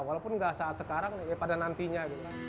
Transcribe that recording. walaupun nggak saat sekarang ya pada nantinya